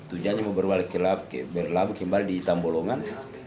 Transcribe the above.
tujannya mau berbalik kembali berlabuh di itambolongan